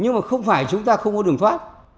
nhưng mà không phải chúng ta không có đường thoát